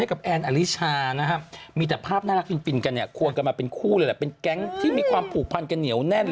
แก๊งนางฟ้าก็ยังอยู่ดีมีสุขกันอยู่